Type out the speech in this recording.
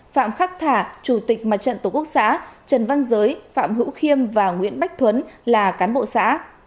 phạm khắc thả chủ tịch mặt trận tổ quốc xã trần văn giới phạm hữu khiêm và nguyễn bách là cán bộ xã